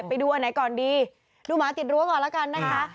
ไปดูอันไหนก่อนดีดูหมาติดรั้วก่อนแล้วกันนะคะ